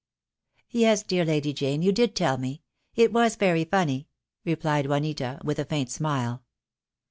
"Yes, dear Lady Jane, you did tell me. It was very funny," replied Juanita, with a faint smile.